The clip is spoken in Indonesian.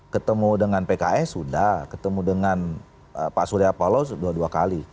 ketemu dengan pks sudah ketemu dengan pak surya palo dua dua kali